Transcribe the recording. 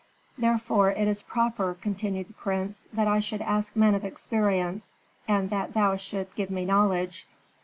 "Therefore it is proper," continued the prince, "that I should ask men of experience and that thou shouldst give me knowledge."